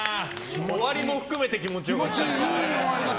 終わりも含めて気持ち良かった。